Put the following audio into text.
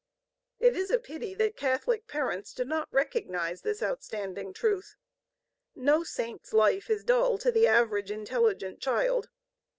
It is a pity that Catholic parents do not recognize this outstanding truth. No Saint's life is dull to the average intelligent child.